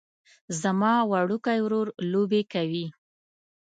زما وړوکی ورور لوبې کوي